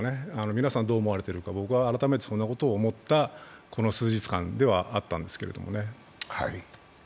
皆さんどう思われているでしょうか、僕は改めてそんなことを思ったこの数日間ではあったんですけどね。